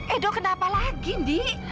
edo kenapa lagi indi